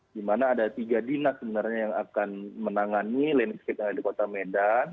di mana ada tiga dinas sebenarnya yang akan menangani landscape yang ada di kota medan